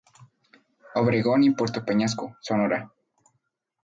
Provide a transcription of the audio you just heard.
Obregón y Puerto Peñasco, Sonora.